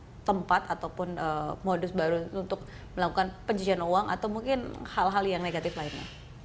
ada tempat ataupun modus baru untuk melakukan pencucian uang atau mungkin hal hal yang negatif lainnya